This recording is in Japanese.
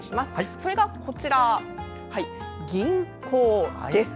それがこちら吟行です。